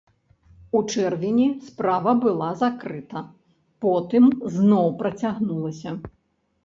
У чэрвені справа была закрыта, потым зноў працягнулася.